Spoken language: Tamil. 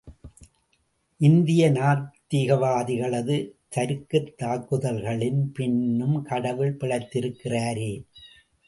இந்திய நாத்திகவாதிகளது தருக்கத் தாக்குதல்களின் பின்னும் கடவுள் பிழைத்திருக்கிறாரே!